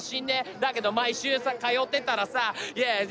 だけど毎週さ通ってたらさＹｅａｈ